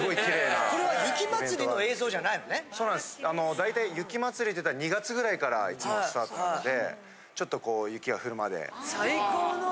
だいたい雪まつりっていったら２月ぐらいからいつもスタートなのでちょっと雪が降るまで。